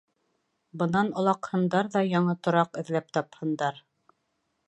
Бынан олаҡһындар ҙа яңы тораҡ эҙләп тапһындар.